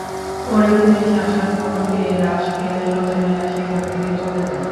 পরে পুলিশ আসার খবর পেয়ে লাশ ফেলে স্বজনেরা সেখান থেকে চলে যান।